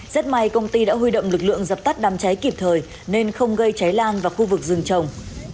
rất may công ty đã huy động lực lượng dập tắt đám cháy kịp thời nên không gây cháy lan vào khu vực rừng trồng